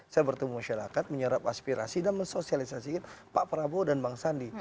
saya bertemu masyarakat menyerap aspirasi dan mensosialisasikan pak prabowo dan bang sandi